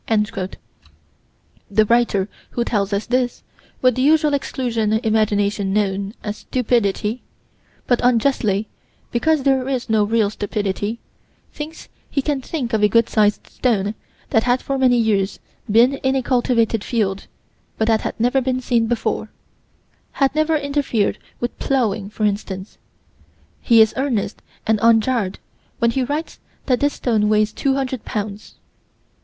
The writer who tells us this, with the usual exclusion imagination known as stupidity, but unjustly, because there is no real stupidity, thinks he can think of a good sized stone that had for many years been in a cultivated field, but that had never been seen before had never interfered with plowing, for instance. He is earnest and unjarred when he writes that this stone weighs 200 pounds.